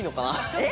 えっ？